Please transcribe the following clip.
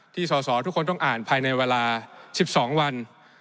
สอสอทุกคนต้องอ่านภายในเวลา๑๒วัน